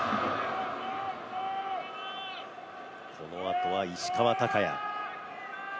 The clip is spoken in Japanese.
このあとは石川昂弥。